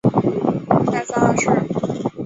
盖萨二世。